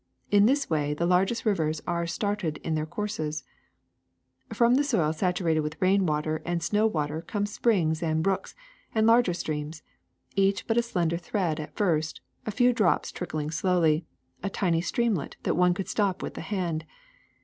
In this way the largest rivers are started on their courses. ^^Frbm the soil saturated with rain water and snow water come springs and brooks and larger streams, each but a slender thread at first, a few drops trickling slowly, a tiny streamlet that one could stop with the hand.